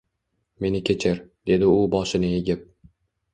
Meni kechir, dedi u boshini egib